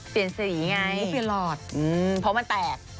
เปลี่ยนสีไงเพราะมันแตก